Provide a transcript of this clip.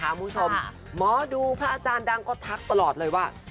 คุณผู้ชมหมอดูพระอาจารย์ดังก็ทักตลอดเลยว่า